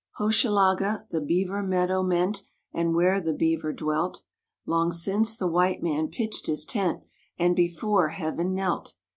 Hochelaga the Beaver Meadow meant, And where the beaver dwelt Long since, the white man pitched his tent, And before heaven knelt.